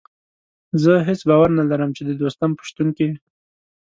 زه هېڅ باور نه لرم چې د دوستم په شتون کې.